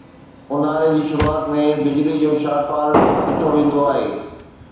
اونهاري جي شروعات ۾ بجلي جو شارٽ فال ڏٺو ويندو آهي